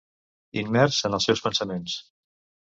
Immers en els seus pensaments.